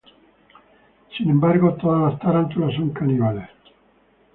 Sin embargo, todas las tarántulas son caníbales.